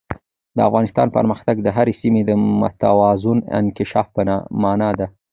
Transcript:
د افغانستان پرمختګ د هرې سیمې د متوازن انکشاف په مانا دی.